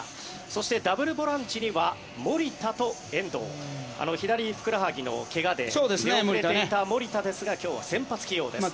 そしてダブルボランチには守田と遠藤左ふくらはぎの怪我で抜けていた守田ですが今日は先発起用です。